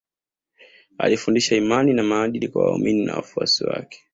Alifundisha imani na maadili kwa waaumini na wafuasi wake